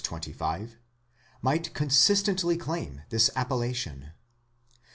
25), might consistently claim this appellation.